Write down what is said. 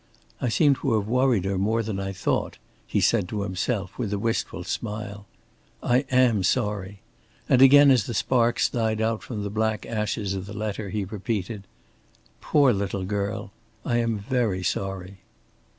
"I seem to have worried her more than I thought," he said to himself with a wistful smile. "I am sorry," and again as the sparks died out from the black ashes of the letter he repeated: "Poor little girl. I am very sorry."